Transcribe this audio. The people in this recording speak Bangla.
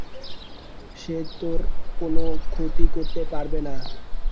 সে তোর কোনো ক্ষতি করতে পারবে না।